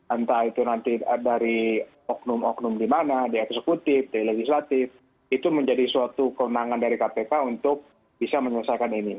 entah itu nanti dari oknum oknum di mana di eksekutif di legislatif itu menjadi suatu keunangan dari kpk untuk bisa menyelesaikan ini